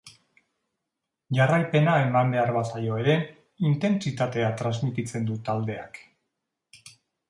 Jarraipena eman behar bazaio ere, intentsitatea trasmititzen du taldeak.